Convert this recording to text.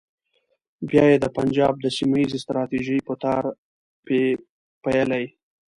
بیا یې د پنجاب د سیمه ییزې ستراتیژۍ په تار پېیلې.